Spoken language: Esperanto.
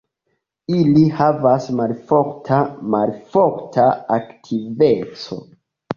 Ili havas malforta malforta aktiveco.